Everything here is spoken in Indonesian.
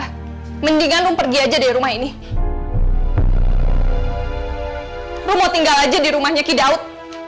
hai mendingan umper dia jadi rumah ini lu mau tinggal aja di rumahnya kidaut